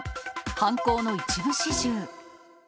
犯行の一部始終。